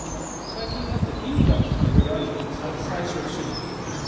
最近になってビーガンとか色々あるじゃないですか菜食主義の人たち。